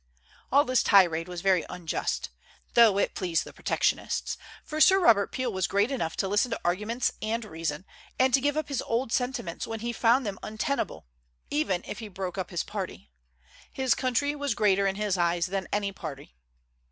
All this tirade was very unjust, though it pleased the protectionists, for Sir Robert Peel was great enough to listen to arguments and reason, and give up his old sentiments when he found them untenable, even if he broke up his party. His country was greater in his eyes than any party.